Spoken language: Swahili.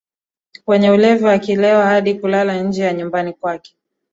kwenye ulevi akilewa hadi kulala nje ya nyumbani kwake